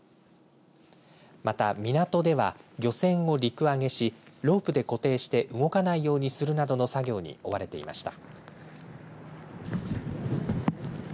また港では、漁船を陸揚げしロープで固定して動かないようにするなどの作業に追われていました。